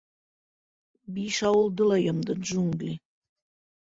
Биш ауылды ла йомдо джунгли.